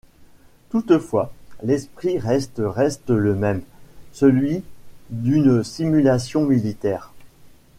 Toutefois, l'esprit reste reste le même, celui d'une simulation militaire.